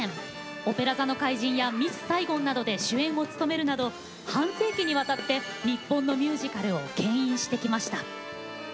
「オペラ座の怪人」や「ミス・サイゴン」などで主演を務めるなど半世紀にわたって日本のミュージカルをけん引してきました。